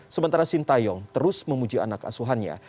sementara sintayong terus memuji anak asuhannya